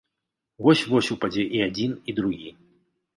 Вось-вось упадзе і адзін і другі.